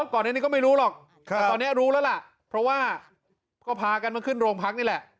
ก่อนอันนี้ก็ไม่รู้หรอกแต่ตอนนี้รู้แล้วล่ะเพราะว่าก็พากันมาขึ้นโรงพักนี่แหละ